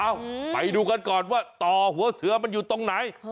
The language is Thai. ไปดูกันก่อนว่าต่อหัวเสือมันอยู่ตรงไหน